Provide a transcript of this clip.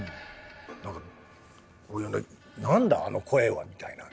何かこういうね何だあの声はみたいな。